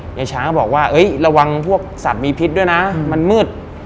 ยายช้างก็บอกว่าระวังพวกสัตว์มีพิษด้วยนะมันมืด